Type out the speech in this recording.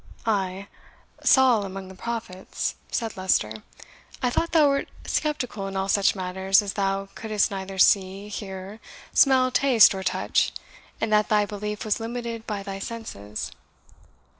"Ay, Saul among the prophets?" said Leicester. "I thought thou wert sceptical in all such matters as thou couldst neither see, hear, smell, taste, or touch, and that thy belief was limited by thy senses."